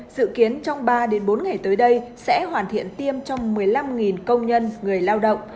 dự kiến trong ba bốn ngày tới đây sẽ hoàn thiện tiêm trong một mươi năm công nhân người lao động